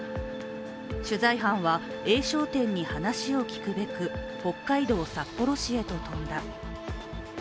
取材班はＡ商店に話を聞くべく北海道札幌市へと飛んだ。